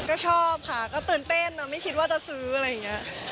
ก็ชอบค่ะก็ตื่นเต้นไม่คิดว่าจะซื้ออะไรอย่างนี้